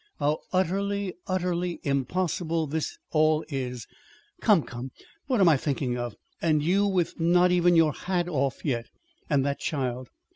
How utterly, utterly impossible this all is! Come, come, what am I thinking of? and you with not even your hat off yet! And that child!